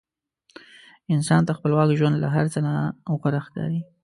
انسان ته خپلواک ژوند له هر څه نه غوره ښکاري.